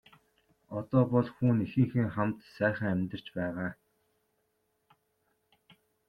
Одоо бол хүү нь эхийнхээ хамт сайхан амьдарч байгаа.